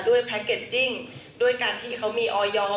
แพ็คเกจจิ้งด้วยการที่เขามีออยอร์